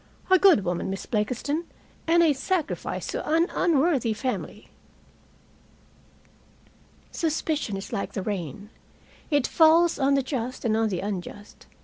"A good woman, Miss Blakiston, and a sacrifice to an unworthy family." Suspicion is like the rain. It falls on the just and on the unjust.